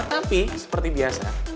tapi seperti biasa